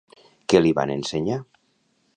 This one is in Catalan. Què li van ensenyar?